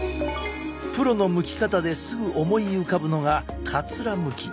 プロのむき方ですぐ思い浮かぶのがかつらむき。